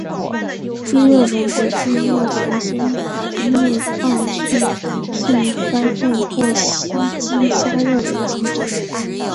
地热能则是因为行星核心内放射性衰变或吸积加热而形成。